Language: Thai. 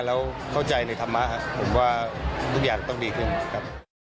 แล้วเข้าใจในธรรมะครับผมว่าทุกอย่างต้องดีขึ้นครับ